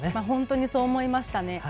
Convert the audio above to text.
本当に、そう思いましたね。